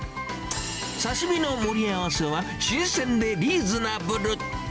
刺身の盛り合わせは、新鮮でリーズナブル。